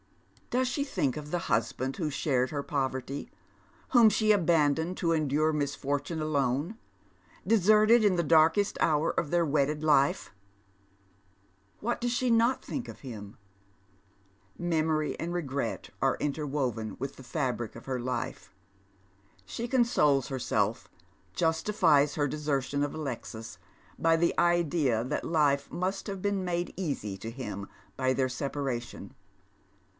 Does she think of the husband who shared her poverty, ■rvshom she abandoned to endure misfortune alone, deserted in the darkest hour of their wedded life ? What does she not think of him ? Memory and regret are interwoven with the fabric of her life. Slie consoles herself — justifies her deser tion of Alexis — by the idea that life must have been made easy to him by their separation.